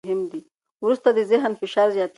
وروسته د ذهن فشار زیاتېږي.